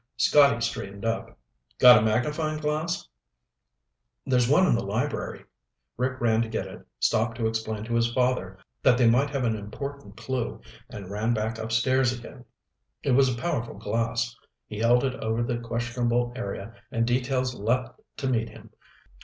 Scotty straightened up. "Got a magnifying glass?" "There's one in the library." Rick ran to get it, stopped to explain to his father that they might have an important clue, and ran back upstairs again. It was a powerful glass. He held it over the questionable area and details leaped to meet him.